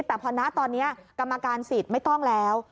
แต่พอนะตอนนี้กรรมการสิทธิ์ไม่ต้องแล้ว